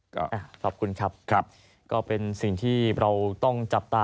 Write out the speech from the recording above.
ก็ขอบคุณครับครับก็เป็นสิ่งที่เราต้องจับตา